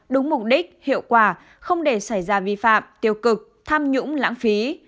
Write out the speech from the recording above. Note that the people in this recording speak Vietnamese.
đúng mục đích hiệu quả không để xảy ra vi phạm tiêu cực tham nhũng lãng phí